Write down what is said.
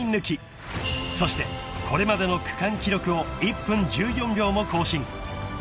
［そしてこれまでの区間記録を１分１４秒も更新］